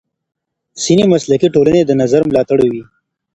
ځینې مسلکي ټولنې دا نظر ملاتړوي.